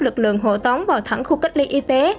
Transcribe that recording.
lực lượng hộ tón vào thẳng khu cách ly y tế